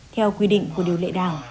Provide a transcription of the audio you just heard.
theo quy định của điều lệ đảng